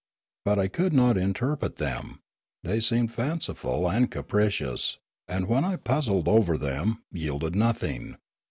But I could not interpret them; they seemed fanciful and capricious, and when I puzzled over them, yielded nothing.